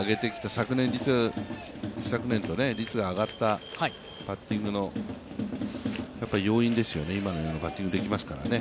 昨年、一昨年と率が上がったバッティングの要因ですよね、今のようなバッティングできますからね。